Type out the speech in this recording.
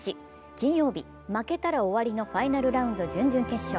金曜日、負けたら終わりのファイナルラウンド準々決勝。